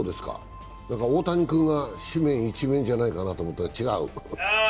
大谷君が紙面一面じゃないかなと思ったら違う？